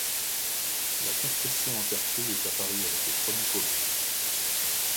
La construction en terre crue est apparue avec les premiers colons.